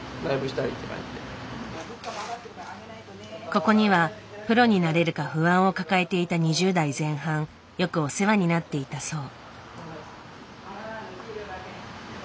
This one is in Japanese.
ここにはプロになれるか不安を抱えていた２０代前半よくお世話になっていたそう。